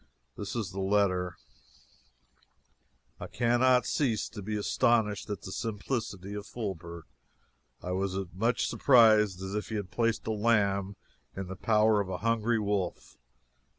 This is the letter: "I cannot cease to be astonished at the simplicity of Fulbert; I was as much surprised as if he had placed a lamb in the power of a hungry wolf.